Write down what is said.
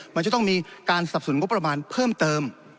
มันจะต้องมีการสับสนุนงบประมาณเพิ่มเติม